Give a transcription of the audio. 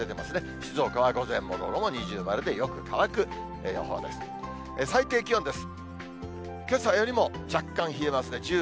静岡は午前も午後も二重丸でよく乾く予報です。